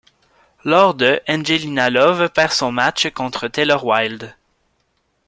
Lors de ', Angelina Love perd son match contre Taylor Wilde.